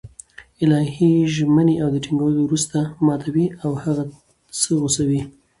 الهي ژمني له ټينگولو وروسته ماتوي او هغه څه غوڅوي